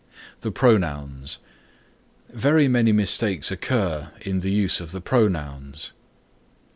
THE PRONOUNS Very many mistakes occur in the use of the pronouns.